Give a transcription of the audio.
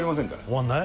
終わんない？